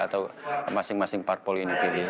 atau masing masing parpol ini pilih